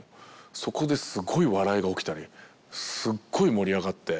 そこですごい笑いが起きたりすっごい盛り上がって。